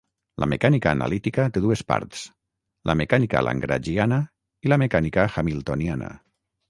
La mecànica analítica té dues parts: la mecànica lagrangiana i la mecànica hamiltoniana.